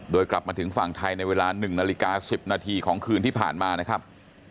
โดยกลับมาถึงฝั่งไทยในเวลา๑นาฬิกา๑๐นาทีของคืนที่ผ่านมานะครับ